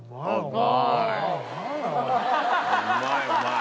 うまいうまい。